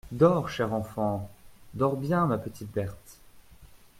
Dors, chère enfant !… dors bien, ma petite Berthe !…